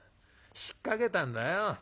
引っかけたんだよ。